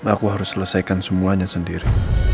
aku harus selesaikan semuanya sendiri